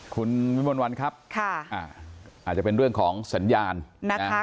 คุณวิมลวันครับค่ะอ่าอาจจะเป็นเรื่องของสัญญาณนะคะ